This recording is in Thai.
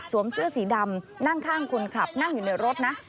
เสื้อสีดำนั่งข้างคนขับนั่งอยู่ในรถนะ